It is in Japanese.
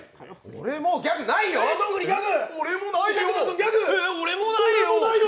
俺もうギャグないよ。